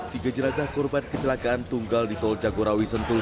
tiga jenazah korban kecelakaan tunggal di tol jagorawi sentul